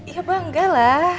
ya bangga lah